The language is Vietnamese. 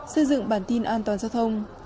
xây dựng bản tin an toàn giao thông